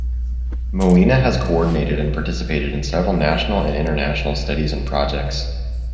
Molina has coordinated and participated in several national and international studies and projects.